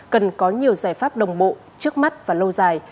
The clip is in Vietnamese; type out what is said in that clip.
cần có nhiều giải pháp đồng bộ trước mắt và lâu dài